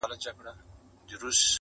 خلکو مړي ښخول په هدیرو کي،